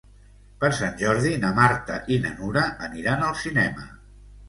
Per Sant Jordi na Marta i na Nura aniran al cinema.